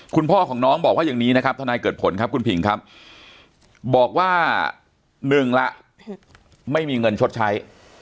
คุณพ่อของน้องบอกว่าอย่างนี้นะครับทนายเกิดผลครับคุณผิงครับบอกว่าหนึ่งละไม่มีเงินชดใช้